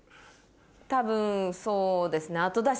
多分そうですね。